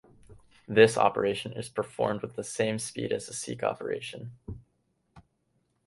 This operation is performed with the same speed as a Seek operation.